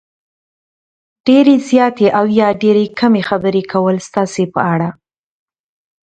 ډېرې زیاتې او یا ډېرې کمې خبرې کول ستاسې په اړه